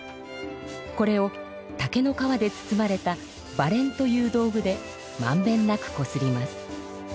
これを竹の皮で包まれたばれんという道具でまんべんなくこすります。